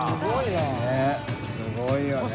ねぇすごいよね。